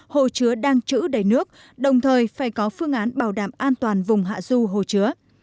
hồ chứa đang chữ đầy nước đồng thời phải có phương án bảo đảm an toàn vùng hạ du hồ chứa